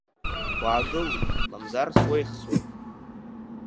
Уаагыл, мамзар суеихсуеит…